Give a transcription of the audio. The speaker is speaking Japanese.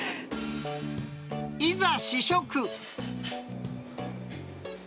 いざ試食。